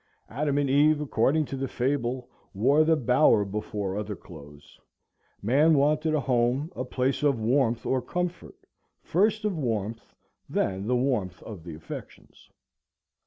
Adam and Eve, according to the fable, wore the bower before other clothes. Man wanted a home, a place of warmth, or comfort, first of physical warmth, then the warmth of the affections.